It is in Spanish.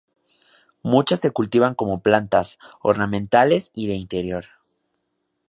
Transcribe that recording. Muchas se cultivan como plantas ornamentales y de interior.